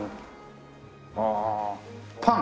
ああパン？